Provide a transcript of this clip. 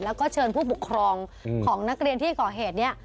แล้วก็เชิญผู้ปกครองของนักเรียนที่ก่อเหตุนี้